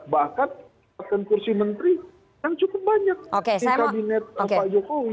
bahkan kursi menteri yang cukup banyak di kabinet pak jokowi